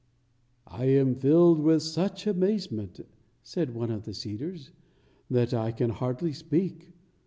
"I am filled with such amazement," said one of the cedars, "that I can hardly speak.